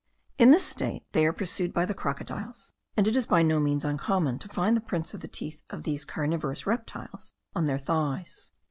In this state they are pursued by the crocodiles, and it is by no means uncommon to find the prints of the teeth of these carnivorous reptiles on their thighs.